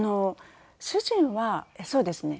主人はそうですね。